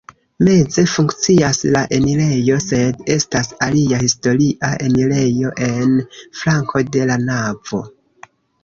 Meze funkcias la enirejo, sed estas alia historia enirejo en flanko de la navo.